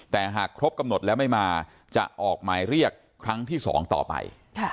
แต่หากครบกำหนดแล้วไม่มาจะออกหมายเรียกครั้งที่๒ต่อไป